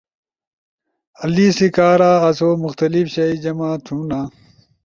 لیسی کارا آسو مخلتف شائی جمع تھونا ۔